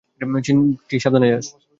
চিট্টি, সাবধানে যাস।